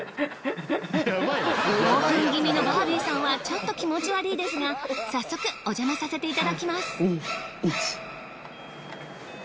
興奮気味のバービーさんはちょっと気持ち悪いですが早速おじゃまさせていただきます。